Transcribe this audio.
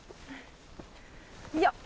よっ！